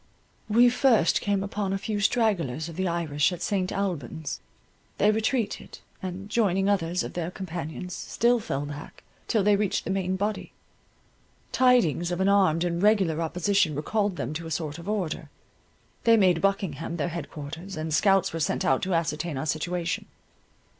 We first came upon a few stragglers of the Irish at St. Albans. They retreated, and, joining others of their companions, still fell back, till they reached the main body. Tidings of an armed and regular opposition recalled them to a sort of order. They made Buckingham their head quarters, and scouts were sent out to ascertain our situation.